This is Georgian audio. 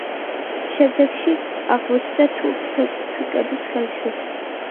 შემდეგში აღმოჩნდა თურქ-სელჩუკების ხელში.